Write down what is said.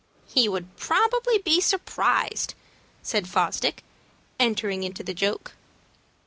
"He would probably be surprised," said Fosdick, entering into the joke.